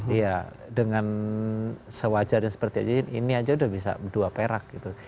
iya dengan sewajarnya seperti aja ini aja udah bisa dua perak gitu